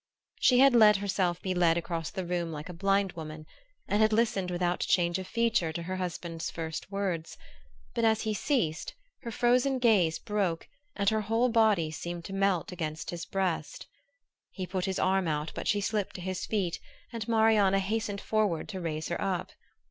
She had let herself be led across the room like a blind woman, and had listened without change of feature to her husband's first words; but as he ceased her frozen gaze broke and her whole body seemed to melt against his breast. He put his arm out, but she slipped to his feet and Marianna hastened forward to raise her up.